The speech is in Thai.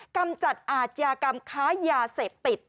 กำจัดอาชญากรรมค้ายาเสพติด